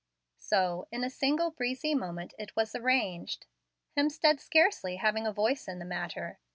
So, in a single breezy moment, it was arranged, Hemstead scarcely having a voice in the matter.